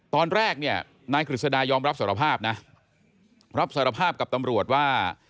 ตอนแรกเนี่ยนายกฤษดายอมรับสารภาพนะรับสารภาพกับตำรวจว่า